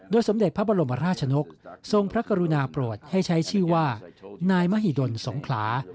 สมเด็จพระบรมราชนกทรงพระกรุณาโปรดให้ใช้ชื่อว่านายมหิดลสงขลา